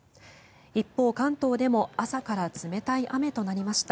一方、関東でも朝から冷たい雨となりました。